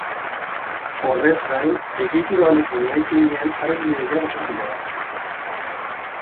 Horrez gain, egitura honekin eraikinean argi gehiago sartuko da.